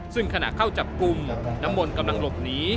ซึ่งขณะเข้าจับกลุ่มน้ำมนต์กำลังหลบหนี